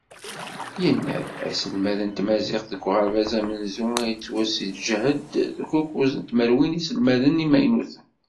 Yenna-d: "Aselmed n tmaziɣt deg uɣerbaz amenzu, ad yettwaseǧhed s ukkuẓ tmerwin n yiselmaden imaynuten.